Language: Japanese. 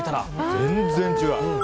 全然違う。